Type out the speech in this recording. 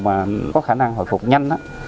mà có khả năng hồi phục nhanh